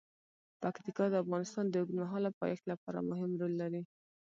پکتیکا د افغانستان د اوږدمهاله پایښت لپاره مهم رول لري.